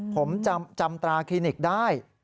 ผมจำตราคลินิกได้